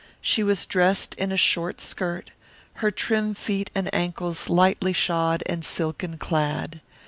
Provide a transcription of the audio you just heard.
She was dressed in a short skirt, her trim feet and ankles lightly shod and silken clad.